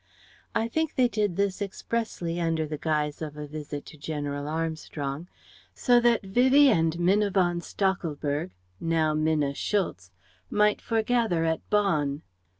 I think they did this expressly (under the guise of a visit to General Armstrong), so that Vivie and Minna von Stachelberg now Minna Schultz might foregather at Bonn.